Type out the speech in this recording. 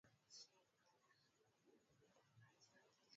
mimi ninaona kwamba labda gaddafi ambaye amefanya mambo mingi tu mazuri